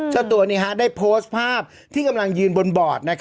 เจ้าตัวได้โพสต์ภาพที่กำลังยืนบนบอร์ด